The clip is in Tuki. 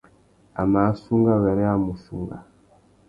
A mà assunga wêrê a mù sunga.